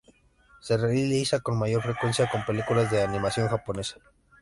Se realiza con mayor frecuencia con películas de animación japonesa.